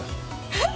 えっ？